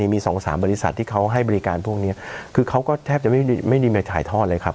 มีสองสามบริษัทที่เขาให้บริการพวกเนี้ยคือเขาก็แทบจะไม่ได้ไม่ได้มาถ่ายทอดเลยครับ